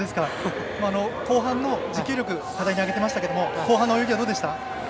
後半の持久力課題に挙げていましたけど後半の泳ぎ、どうでした？